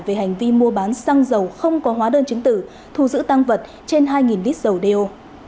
về hành vi mua bán xăng dầu không có hóa đơn chứng tử thu giữ tăng vật trên hai lít dầu đeo